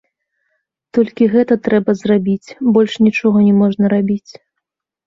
Толькі гэта трэба зрабіць, больш нічога не можна рабіць.